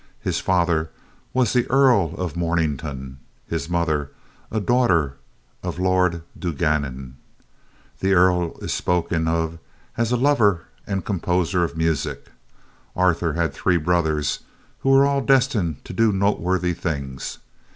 His father was the Earl of Mornington, his mother a daughter of Lord Dungannon. The Earl is spoken of as a lover and composer of music. Arthur had three brothers who were all destined to do noteworthy things.